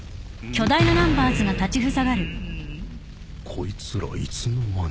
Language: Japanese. こいつらいつの間に